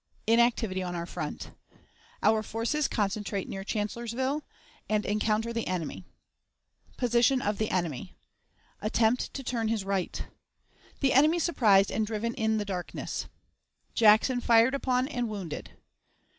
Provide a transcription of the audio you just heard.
Inactivity on our Front. Our Forces concentrate near Chancellorsville and encounter the Enemy. Position of the Enemy. Attempt to turn his Right. The Enemy surprised and driven in the Darkness. Jackson fired upon and wounded.